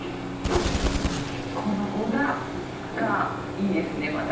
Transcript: このゴザがいいですねまた。